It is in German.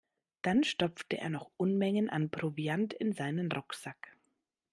Dann stopfte er noch Unmengen an Proviant in seinen Rucksack.